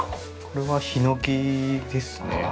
これはヒノキですね。